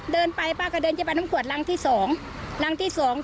เดินไปป้าก็เดินจะไปน้ำขวดรังที่สองรังที่สอง